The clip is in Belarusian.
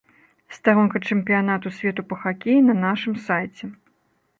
Старонка чэмпіянату свету па хакеі на нашым сайце.